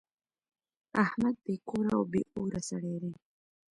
احمد بې کوره او بې اوره سړی دی.